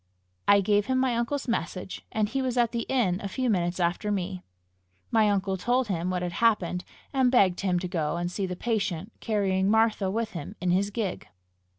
I gave him my uncle's message, and he was at the inn a few minutes after me. My uncle told him what had happened, and begged him to go and see the patient, carrying Martha with him in his gig.